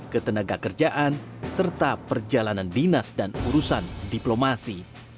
ketenaga kerjaan serta perjalanan dinas dan urusan diplomasi